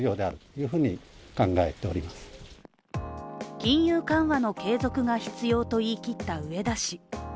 金融緩和の継続が必要と言い切った植田氏。